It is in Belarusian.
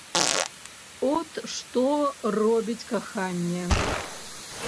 От што робіць каханне!